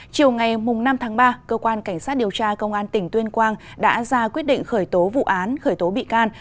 chiều ngày năm tháng ba cơ quan cảnh sát điều tra công an tỉnh tuyên quang đã ra quyết định khởi tố vụ án khởi tố bị can